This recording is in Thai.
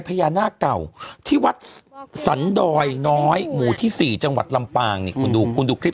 พญานาคเก่าที่วัดสันดอยน้อยหมู่ที่๔จังหวัดลำปางนี่คุณดูคุณดูคลิป